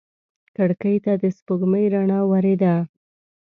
کړکۍ ته د سپوږمۍ رڼا ورېده.